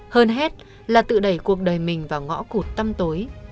hơn hết là tự đẩy cuộc đời mình vào ngõ cụt tâm tối